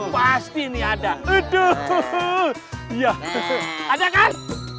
pasti ada itu ya ada kan